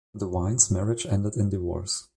DeWine's marriage ended in divorce.